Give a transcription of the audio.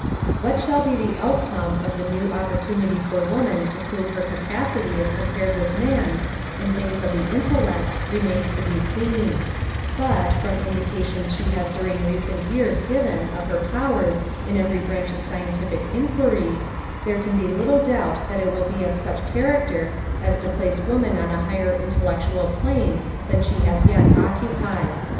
What shall be the outcome of the new opportunity for woman to prove her capacity as compared with man's in things of the intellect remains to be seen, but, from indications she has during recent years given of her powers in every branch of scientific inquiry, there can be little doubt that it will be of such character as to place woman on a higher intellectual plane than she has yet occupied.